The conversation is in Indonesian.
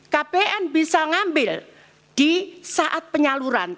kpn bisa ngambil di saat penyaluran